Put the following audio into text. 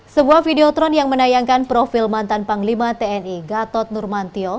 sebuah videotron yang menayangkan profil mantan panglima tni gatot nurmantio